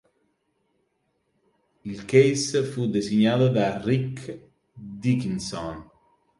Il case fu disegnato da Rick Dickinson.